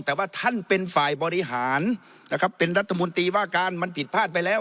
แต่ว่าท่านเป็นฝ่ายบริหารนะครับเป็นรัฐมนตรีว่าการมันผิดพลาดไปแล้ว